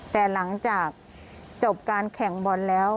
แต่หลังจากจบการแข่งบอลแล้ว